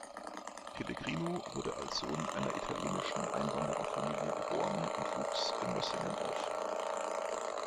Pellegrino wurde als Sohn einer italienischen Einwandererfamilie geboren und wuchs in Mössingen auf.